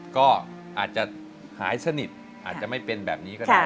ก็อาจจะหายสนิทอาจจะไม่เป็นแบบนี้ก็ได้